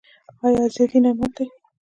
آیا ازادي نعمت دی؟